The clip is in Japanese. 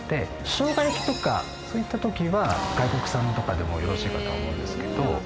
生姜焼きとかそういった時は外国産とかでもよろしいかとは思うんですけど。